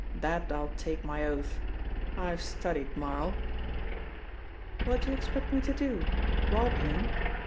That I'll take my oath. I've studied Marl." "What do you expect me to do? Rob him?"